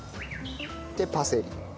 でパセリ。